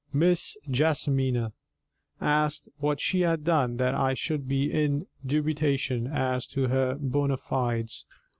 Miss JESSIMINA asked what had she done that I should be in dubitation as to her bona fides?